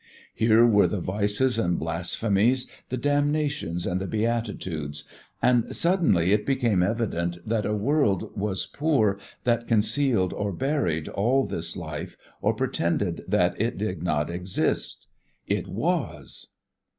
Here were the vices and blasphemies, the damnations and the beatitudes; and suddenly it became evident that a world was poor that concealed or buried all this life or pretended that it did not exist. _It was!